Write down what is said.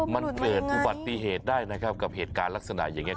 มันเกิดอุบัติเหตุได้นะครับกับเหตุการณ์ลักษณะอย่างนี้